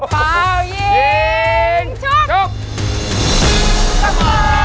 เปล่ายิงชุบ